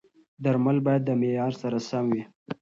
درمل باید د معیار سره سم وي.